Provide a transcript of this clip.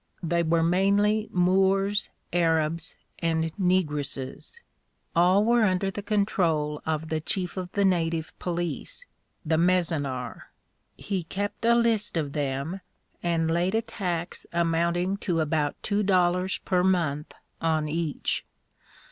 They were mainly Moors, Arabs, and negresses. All were under the control of the chief of the native police the Mezonar. He kept a list of them, and laid a tax amounting to about two dollars per month on each.